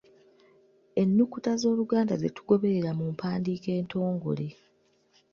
Ennukuta Z’Oluganda ze tugoberera mu mpandiika entongole.